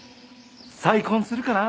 再婚するかな。